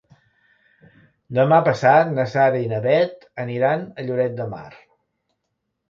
Demà passat na Sara i na Bet aniran a Lloret de Mar.